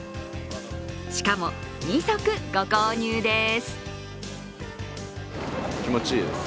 しかも、２足ご購入です。